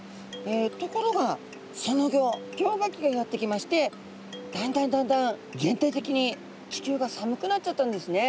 ところがそのギョ氷河期がやってきましてだんだんだんだん全体的に地球が寒くなっちゃったんですね。